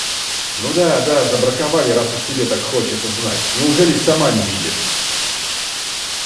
Ну да, да, забраковали, раз уж тебе так хочется знать. Неужели сама не видишь?